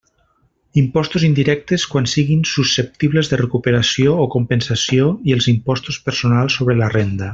Impostos indirectes quan siguin susceptibles de recuperació o compensació i els impostos personals sobre la renda.